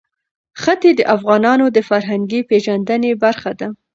ښتې د افغانانو د فرهنګي پیژندنې برخه ده.